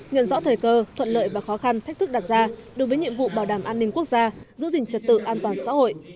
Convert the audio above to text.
nhận rõ thời cơ thuận lợi và khó khăn thách thức đặt ra đối với nhiệm vụ bảo đảm an ninh quốc gia giữ gìn trật tự an toàn xã hội